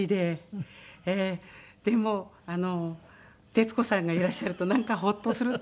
でも徹子さんがいらっしゃるとなんかホッとするっていうか。